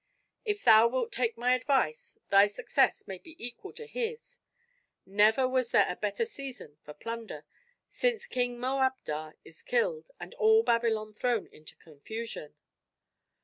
If thou wilt take my advice thy success may be equal to his; never was there a better season for plunder, since King Moabdar is killed, and all Babylon thrown into confusion."